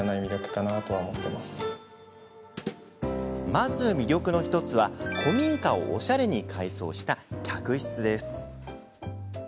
まず魅力の１つは、古民家をおしゃれに改装した客室です。